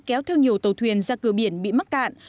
kéo theo nhiều tàu thuyền ra cửa biển bị mắc cạn